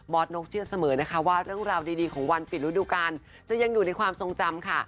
นกเชื่อเสมอนะคะว่าเรื่องราวดีของวันปิดฤดูกาลจะยังอยู่ในความทรงจำค่ะ